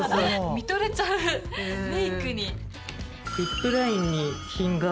見とれちゃうメイクに。